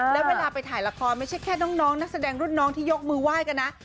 แล้วเวลาไปถ่ายละครไม่ใช่แค่น้องนักแสดงรุ่นน้องที่ยกมือไหว้กันนะ